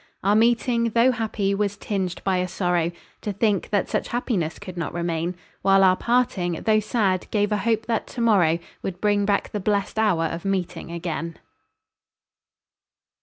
Our meeting, tho' happy, was tinged by a sorrow To think that such happiness could not remain; While our parting, tho' sad, gave a hope that to morrow Would bring back the blest hour of meeting again.